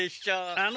あの。